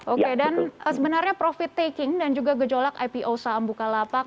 oke dan sebenarnya profit taking dan juga gejolak ipo saham bukalapak